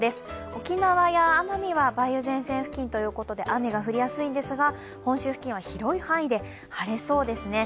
沖縄や奄美は梅雨前線付近ということで雨が降りやすいんですが本州付近は広い範囲で晴れそうですね。